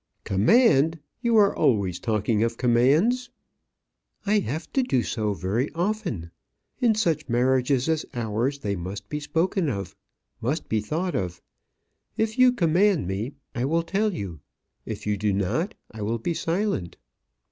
"Command! you are always talking of commands." "I have to do so very often. In such marriages as ours they must be spoken of must be thought of. If you command me, I will tell you. If you do not, I will be silent."